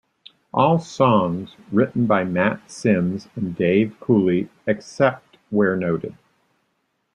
All songs written by Matt Sims and Dave Cooley, except where noted.